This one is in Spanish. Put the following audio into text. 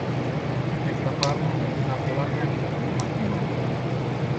Esta parra es una plaga en las zonas marginales.